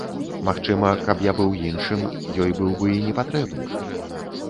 Магчыма, каб я быў іншым, ёй быў бы і не патрэбны.